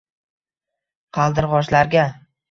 Qaldirg’ochlarga